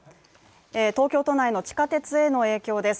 東京都内の地下鉄への影響です。